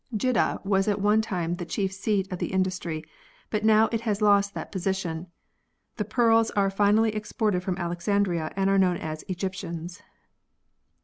Jiddah was at one time the chief seat of the industry, but now it has lost that position. The pearls are finally exported from Alexandria and are known as " Egyptians."